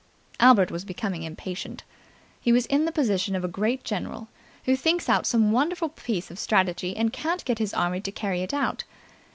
Albert was becoming impatient. He was in the position of a great general who thinks out some wonderful piece of strategy and can't get his army to carry it out.